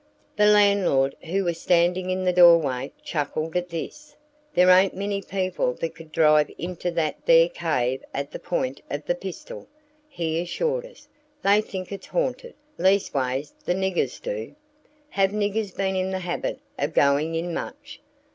The landlord, who was standing in the doorway, chuckled at this. "There ain't many people that you could drive into that there cave at the point of the pistol," he assured us. "They think it's haunted; leastways the niggers do." "Have niggers been in the habit of going in much?"